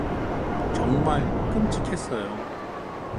정말 끔찍했어요.